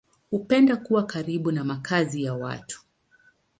Hupenda kuwa karibu na makazi ya watu.